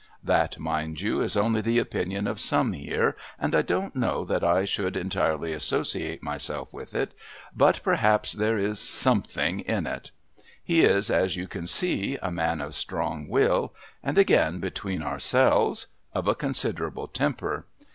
That, mind you, is only the opinion of some here, and I don't know that I should entirely associate myself with it, but perhaps there is something in it. He is, as you can see, a man of strong will and, again between ourselves, of a considerable temper.